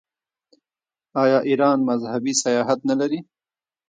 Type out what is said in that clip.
آیا ایران مذهبي سیاحت نلري؟